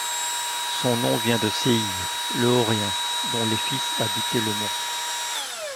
Son nom vient de Séïr, le Horien, dont les fils habitaient le mont.